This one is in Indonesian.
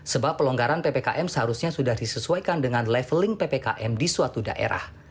sebab pelonggaran ppkm seharusnya sudah disesuaikan dengan leveling ppkm di suatu daerah